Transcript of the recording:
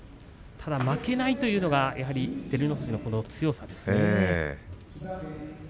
ただ負けないというのが照ノ富士の強さですね。